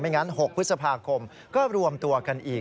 งั้น๖พฤษภาคมก็รวมตัวกันอีก